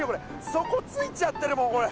そこついちゃってるもんこれ！